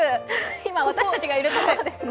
今、私たちがいるところですね。